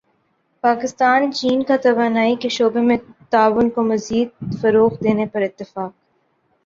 پاکستان چین کا توانائی کے شعبے میں تعاون کو مزید فروغ دینے پر اتفاق